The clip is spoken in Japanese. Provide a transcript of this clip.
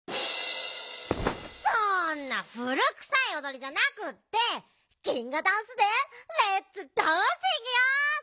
そんな古くさいおどりじゃなくってギンガダンスでレッツダンシングよ！